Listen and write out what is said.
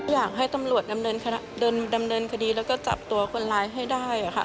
อยากให้ตำรวจดำเนินคดีแล้วก็จับตัวคนร้ายให้ได้ค่ะ